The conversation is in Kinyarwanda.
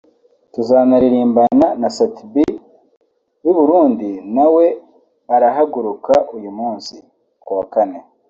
tuzanaririmbana na Sat B w’i Burundi nawe arahaguruka uyu munsi [kuwa Kane]